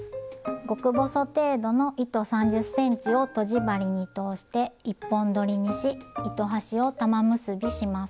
極細程度の糸３０ｃｍをとじ針に通して１本どりにし糸端を玉結びします。